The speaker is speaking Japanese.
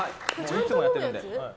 いつもやってるので。